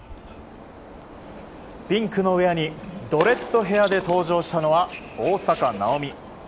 ピンクのウェアにドレッドヘアーで登場したのは大坂なおみ。